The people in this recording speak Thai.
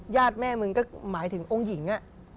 ญาติแม่มึงก็หมายถึงองค์หญิง